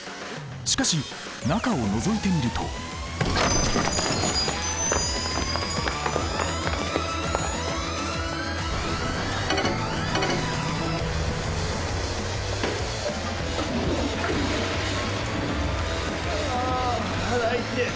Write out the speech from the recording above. しかし中をのぞいてみるとあ腹痛え。